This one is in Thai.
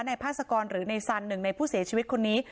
ในภาษากรหรือในสรรค์หนึ่งในผู้เสียชีวิตคนนี้